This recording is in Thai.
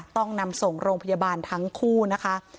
ต้องนำส่งโรงพยาบาลทั้งคู่นะคะ